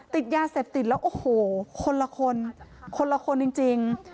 ติดยาเสพติดแล้วโอ้โหคนละคนคนละคนจริง